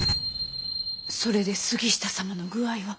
それで杉下様の具合は。